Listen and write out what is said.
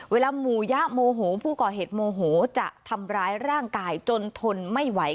เวลาหมู่ยะโมโหผู้ก่อเหตุโมโหจะทำร้ายร่างกายจนทนไม่ไหว